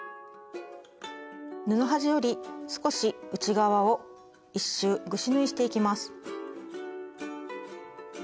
布端より少し内側を１周ぐし縫いしていきます。